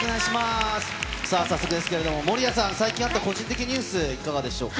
さあ、早速ですけれども、守屋さん、最近あった個人的ニュース、いかがでしょうか。